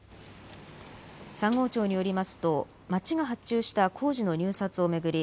三郷町によりますと町が発注した工事の入札を巡り